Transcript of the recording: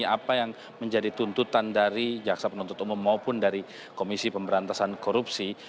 apa yang menjadi tuntutan dari jaksa penuntut umum maupun dari komisi pemberantasan korupsi